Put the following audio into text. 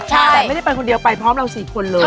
แต่ไม่ได้ไปคนเดียวไปพร้อมเรา๔คนเลย